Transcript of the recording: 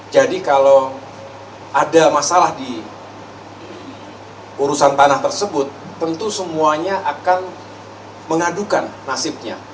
jadi kalau ada masalah di urusan tanah tersebut tentu semuanya akan mengadukan nasibnya